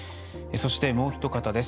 そしてもうひと方です。